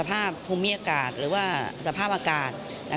ภูมิอากาศหรือว่าสภาพอากาศ